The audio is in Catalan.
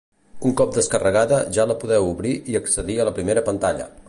Un cop descarregada ja la podeu obrir i accedir a la primera pantalla.